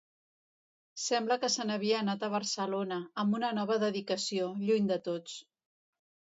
Sembla que se n'havia anat a Barcelona, amb una nova dedicació, lluny de tots.